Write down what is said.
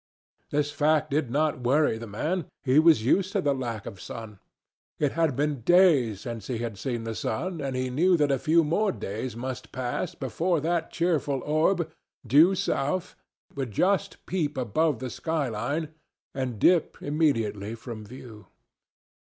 This fact did not worry the man. He was used to the lack of sun. It had been days since he had seen the sun, and he knew that a few more days must pass before that cheerful orb, due south, would just peep above the sky line and dip immediately from view.